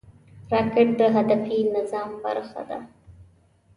راکټ د هدفي نظام برخه ده